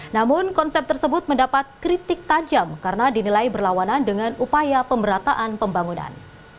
namun konsep tersebut mendapat kritik tajam karena dinilai berlawanan dengan upaya pemberataan pembangunan